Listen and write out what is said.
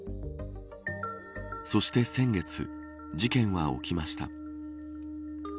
そして先月、事件は起きました。